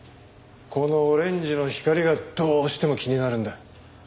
このオレンジの光がどうしても気になるんだ。